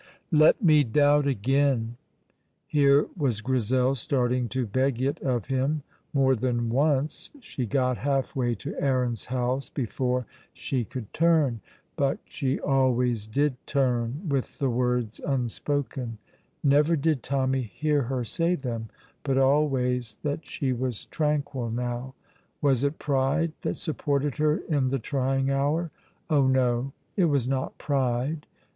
"Let me doubt again!" Here was Grizel starting to beg it of him. More than once she got half way to Aaron's house before she could turn; but she always did turn, with the words unspoken; never did Tommy hear her say them, but always that she was tranquil now. Was it pride that supported her in the trying hour? Oh, no, it was not pride.